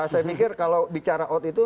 saya pikir kalau bicara out itu